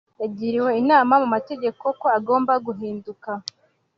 yagiriwe inama mu mategeko ko agomba guhinduka